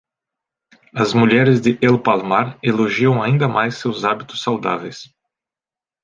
As mulheres de El Palmar elogiaram ainda mais seus hábitos saudáveis.